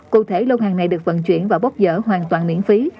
cụ thể lô hàng này được vận chuyển và bốc dở hoàn toàn miễn phí